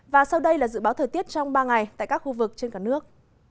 và sau đây là dự báo thời tiết trong ba ngày tại các khu vực trên cả nước